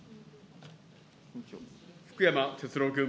福山哲郎君。